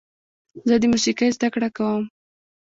زه د موسیقۍ زده کړه کوم.